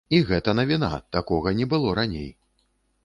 І гэта навіна, такога не было раней.